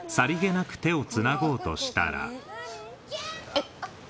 えっ。